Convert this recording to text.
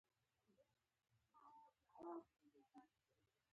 خولۍ د شګو او دوړو نه سر ساتي.